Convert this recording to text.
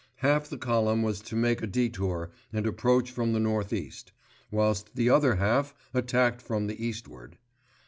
Half the column was to make a detour and approach from the north east, whilst the other half attacked from the eastward.